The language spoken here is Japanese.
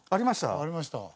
ありました？